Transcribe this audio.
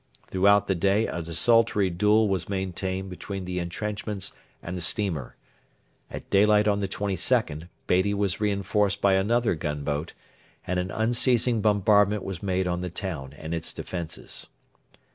Throughout the day a desultory duel was maintained between the entrenchments and the steamer. At daylight on the 22nd, Beatty was reinforced by another gunboat, and an unceasing bombardment was made on the town and its defences.